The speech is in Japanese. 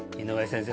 先生